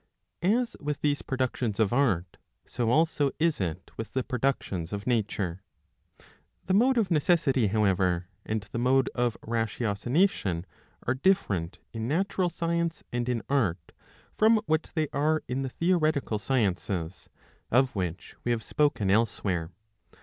As with these productions of art, so also is it with the productions of nature. The mode of necessity, however, and the mode of ratiocination are different in natural science [and in art] from what they are in the theoretical sciences ;* of which we have spoken elsewhere.